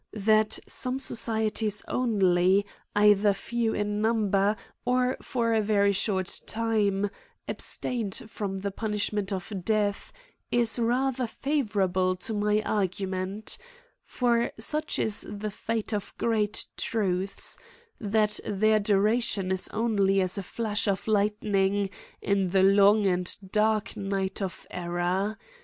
That some societies only either few in number, or for a very short time, abstained from the punishment of death, is ra ther favourable to my argument ; for such is the fate of great truths, that their duration is only as a flash of lightning in the long and dark night of error.